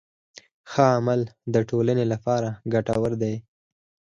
ښه عمل د ټولنې لپاره ګټور دی.